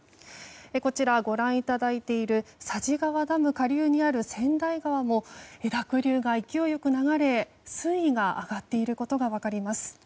こちら、ご覧いただいている佐治川ダム下流にある千代川は、濁流が勢いよく流れ水位が上がっていることが分かります。